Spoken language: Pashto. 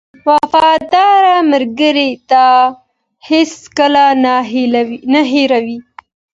• وفادار ملګری تا هېڅکله نه هېروي.